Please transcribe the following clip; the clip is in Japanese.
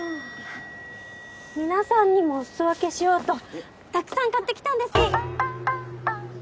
皆さんにもお裾分けしようとたくさん買ってきたんです！